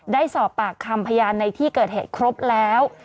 ได้สอบปากคำพยานในที่เกิดเหตุครบแล้ว